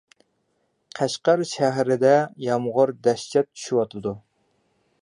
قەشقەر شەھىرىدە يامغۇر دەھشەت چۈشۈۋاتىدۇ.